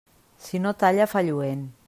Si no talla, fa lluent.